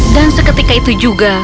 dan seketika itu juga